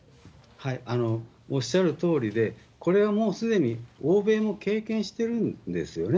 おっしゃるとおりで、これはもうすでに欧米も経験してるんですよね。